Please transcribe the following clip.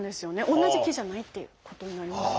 同じ毛じゃないっていうことになります。